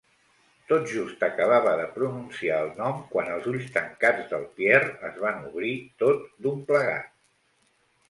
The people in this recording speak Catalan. Tot just acabava de pronunciar el nom quan els ulls tancats del Pierre es van obrir tot d'un plegat.